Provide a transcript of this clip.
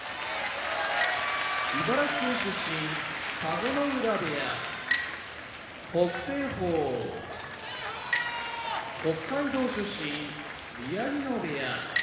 茨城県出身田子ノ浦部屋北青鵬北海道出身宮城野部屋